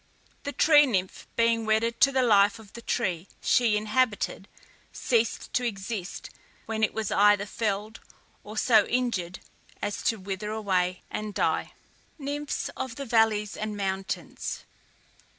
The tree nymph, being wedded to the life of the tree she inhabited, ceased to exist when it was either felled, or so injured as to wither away and die. NYMPHS OF THE VALLEYS AND MOUNTAINS.